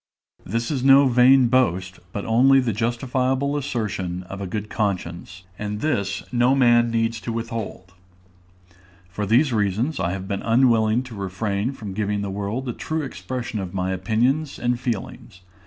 This is no vain boast, but only the justifiable assertion of a good conscience; and this no man needs to withhold. For these reasons, I have been unwilling to refrain from giving to the world a true expression of my opinions and feelings.